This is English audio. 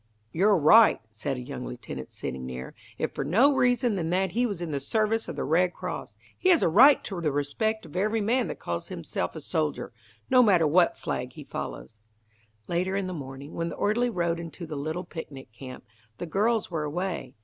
"You're right," said a young lieutenant, sitting near. "If for no other reason than that he was in the service of the Red Cross, he has a right to the respect of every man that calls himself a soldier, no matter what flag he follows." Later in the morning, when the orderly rode into the little picnic camp, the girls were away.